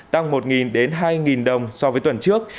tăng một đến hai đồng so với tuần trước